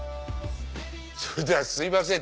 それではすいません